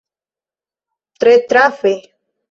Tre trafe!